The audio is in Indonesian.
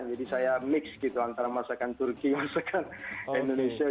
jadi saya mix gitu antara masakan turki masakan indonesia